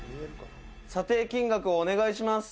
「査定金額をお願いします」